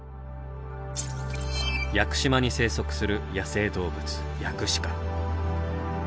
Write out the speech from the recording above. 屋久島に生息する野生動物ヤクシカ。